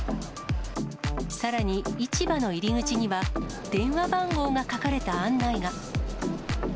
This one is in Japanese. さらに、市場の入り口には電話番号が書かれた案内が。